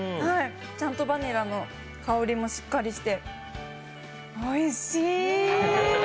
ちゃんとバニラの香りもしっかりして、おいしい！